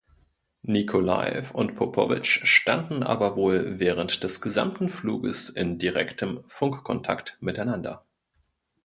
Nikolajew und Popowitsch standen aber wohl während des gesamten Fluges in direktem Funkkontakt miteinander.